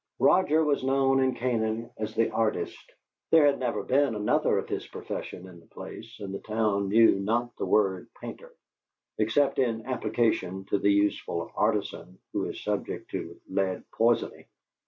Roger was known in Canaan as "the artist"; there had never been another of his profession in the place, and the town knew not the word "painter," except in application to the useful artisan who is subject to lead poisoning.